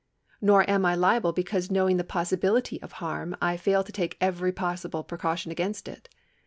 Nor am I liable because, knowing the possibility of harm, I fail to take every possible precaution against it.